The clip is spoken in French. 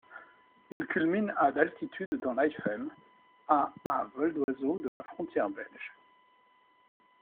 Il culmine à d'altitude dans l'Eifel, à à vol d'oiseau de la frontière belge.